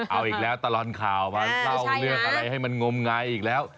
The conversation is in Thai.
เอาอีกแล้วตลอดข่าวมาเล่าเรื่องอะไรให้มันงมงายอีกแล้ว